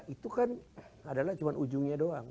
itu kan adalah cuma ujungnya doang